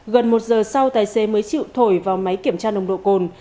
gần một giờ sau tài xế mới chịu thổi vào máy kiểm tra nồng độ cồn